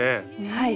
はい。